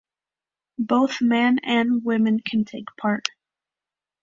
Both men and women can take part.